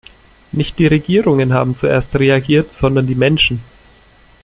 Nicht die Regierungen haben zuerst reagiert, sondern die Menschen.